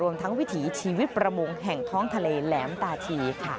ทั้งวิถีชีวิตประมงแห่งท้องทะเลแหลมตาชีค่ะ